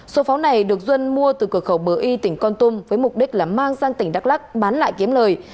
số pháo này được duân mua từ cửa khẩu bờ y tỉnh con tum với mục đích là mang sang tỉnh đắk lắc bán lại kiếm lời